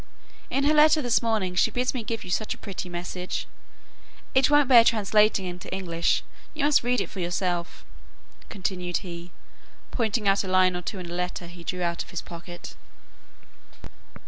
"In her letter this morning she bids me give you such a pretty message. It won't bear translating into English; you must read it for yourself," continued he, pointing out a line or two in a letter he drew from his pocket.